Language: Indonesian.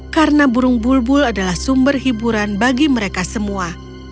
karena burung bulbul adalah sumber hiburan bagi mereka semua